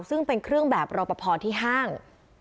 ซึ่งเป็นเครื่องแบบรอปภที่ห้าง